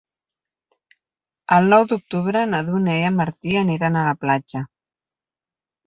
El nou d'octubre na Dúnia i en Martí aniran a la platja.